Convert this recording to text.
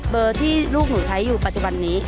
ที่ลูกหนูใช้อยู่ปัจจุบันนี้